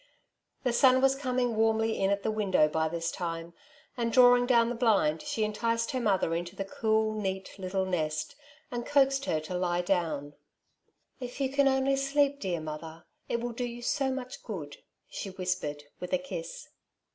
The sun was coming warmly in at the window by this time, and drawing down the blind she enticed her mother into the cool, neat little nest^ and coaxed her to \io doTm* 86 " Two Sides to every Question!^ li If you can only sleep, dear mother, it will do you so much good/' she whispered, with a kiss.